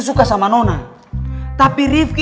gue akan procok